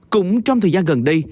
cũng trong thời gian gần đây